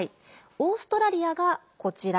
オーストラリアが、こちら。